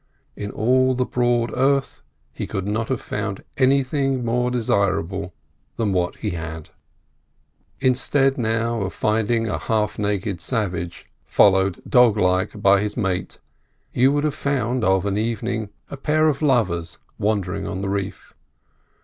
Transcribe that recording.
In all the broad earth he could not have found anything more desirable than what he had. Instead now of finding a half naked savage followed dog like by his mate, you would have found of an evening a pair of lovers wandering on the reef.